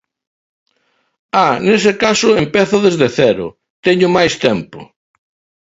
¡Ah!, nese caso empezo desde cero, teño máis tempo.